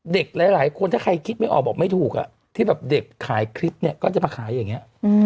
เด็กหลายคนถ้าใครคิดไม่ออกบอกไม่ถูกที่แบบเด็กขายคลิปเนี่ยก็จะมาขายอย่างนี้